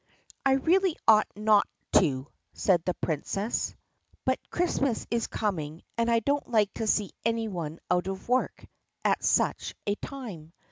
"I really oughtn't to," said the Princess, "but Christmas is coming and I don't like to see any one out of work at such a time.